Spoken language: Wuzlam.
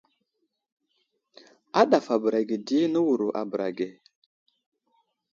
A ɗafabəra ge di nəwuro a bəra ge.